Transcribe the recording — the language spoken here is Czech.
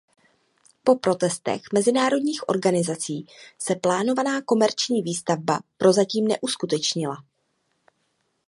Po protestech mezinárodních organizací se plánovaná komerční výstavba prozatím neuskutečnila.